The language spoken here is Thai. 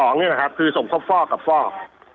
นี่แหละครับคือสมครบฟอกกับฟอก